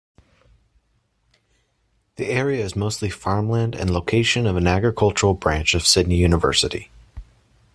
The area is mostly farmland and location of an agricultural branch of Sydney University.